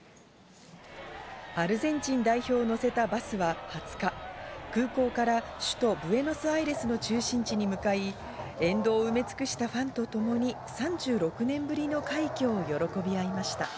アルゼンチン代表を乗せたバスは２０日、空港から首都ブエノスアイレスの中心地に向かい、沿道を埋め尽くしたファンとともに３６年ぶりの快挙を喜び合いました。